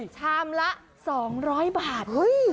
ชามละ๒๐๐บาท